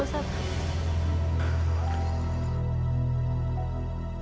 permisi pak ustadz